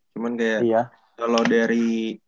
cuman kayak kalau dari